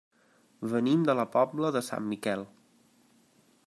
Venim de la Pobla de Sant Miquel.